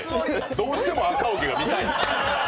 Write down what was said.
どうしても赤荻が見たい。